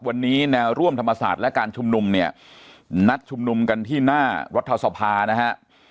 วันนี้แนวร่วมธรรมศาสตร์และการชุมนุมเนี่ยนัดชุมนุมกันที่หน้ารัฐสภานะฮะ